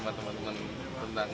bagaimana dia nyanyi